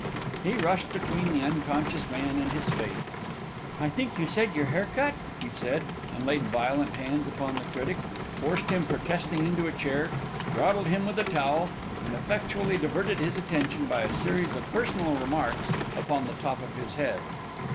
He rushed between the unconscious man and his fate. "I think you said your hair cut?" he said, and laid violent hands upon the critic, forced him protesting into a chair, throttled him with a towel, and effectually diverted his attention by a series of personal remarks upon the top of his head.